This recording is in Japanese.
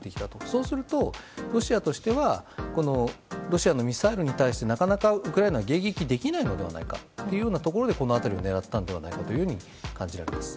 そうするとロシアとしてはロシアのミサイルに対してなかなかウクライナが迎撃できないのではないかとこの辺りを狙ったのではないかと感じられます。